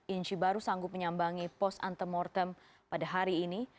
inci baru sanggup menyambangi pos antemortem pada hari ini